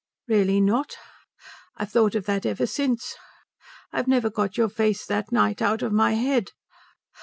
"Really not? I've thought of that ever since. I've never got your face that night out of my head.